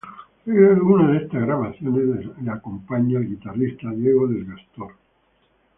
En algunas de estas grabaciones le acompaña el guitarrista Diego del Gastor.